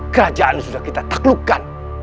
kerajaan sudah kita taklukkan